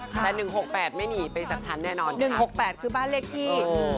แต่๑๖๘ไม่หนีไปจากชั้นแน่นอน๑๖๘คือบ้านเลขที่